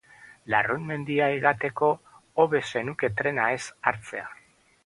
Larrun mendia igateko hobe zenuke trena ez hartzea.